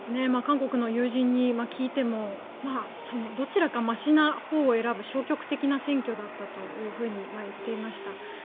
韓国の友人に聞いてもどちらかましなほうを選ぶ消極的な選挙だったと言っていました。